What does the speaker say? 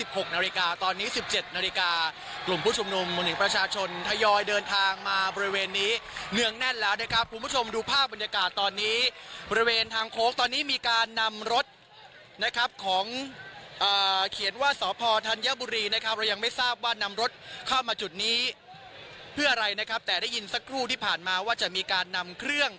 พาคุณผู้ชมกลับมาที่บริเวณท่ารถตู้ตรงข้ามฟิวเจอร์พาร์ค